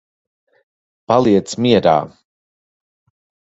Paliec mierā.